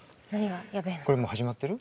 これもう始まってる？